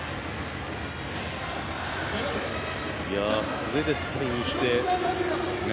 素手でつかみにいって。